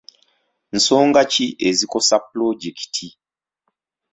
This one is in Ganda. Nsonga ki ezikosa pulojekiti?